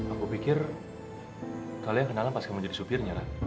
aku pikir kalian kenalan pas kamu jadi sumbirnya rat